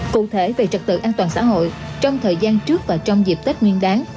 cụ thể về trật tự an toàn xã hội trong thời gian trước và trong dịp tết nguyên đáng